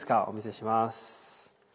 お見せします。